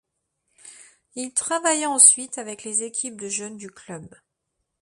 Il travailla ensuite avec les équipes de jeunes du club.